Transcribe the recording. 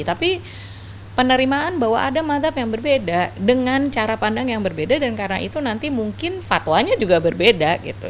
tapi penerimaan bahwa ada mazhab yang berbeda dengan cara pandang yang berbeda dan karena itu nanti mungkin fatwanya juga berbeda gitu